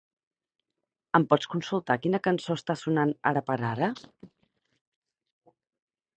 Em pots consultar quina cançó està sonant ara per ara?